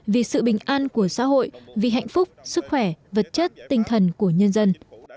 vì sự bình an của xã hội vì hạnh phúc sức khỏe vật chất tinh thần của nhân dân